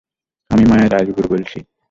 আমি মায়া রাজগুরু বলছি।